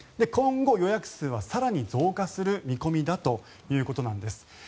今後、予約数は更に増加する見込みだということなんです。